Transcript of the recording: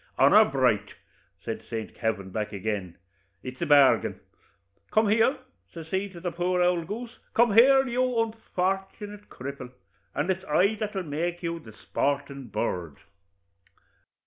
'Honor bright!' says St. Kavin, back agin, 'it's a bargain. Come here!' says he to the poor ould goose 'come here, you unfort'nate ould cripple, and it's I that'll make you the sportin' bird.'